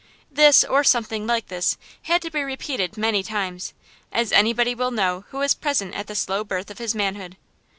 This, or something like this, had to be repeated many times, as anybody will know who was present at the slow birth of his manhood.